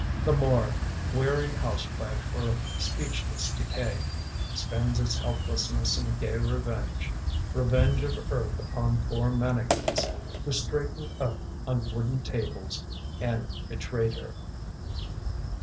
The morgue, weary housewife for speechless decay, Spends its helplessness in gay revenge: Revenge of earth upon four manikins Who straightened up on wooden tables And betrayed her.